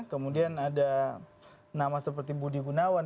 kemudian ada nama seperti budi gunawan